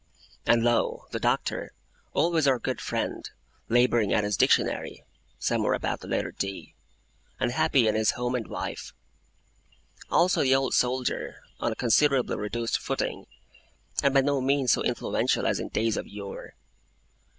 And lo, the Doctor, always our good friend, labouring at his Dictionary (somewhere about the letter D), and happy in his home and wife. Also the Old Soldier, on a considerably reduced footing, and by no means so influential as in days of yore!